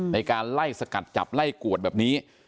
ในการไล่สกัดจับไล่กวดแบบนี้